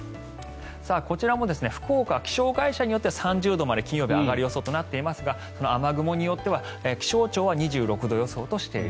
こちらも福岡気象会社によっては３０度まで金曜日上がる予想となっていますが雨雲によっては気象庁は２６度予想としていると。